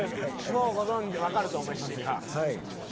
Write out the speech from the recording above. もうご存じわかると思いますが。